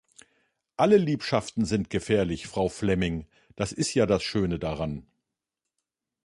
Alle Liebschaften sind gefährlich, Frau Flemming, das ist ja das Schöne daran!